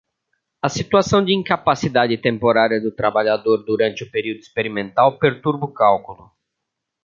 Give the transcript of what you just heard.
A situação de incapacidade temporária do trabalhador durante o período experimental perturba o cálculo.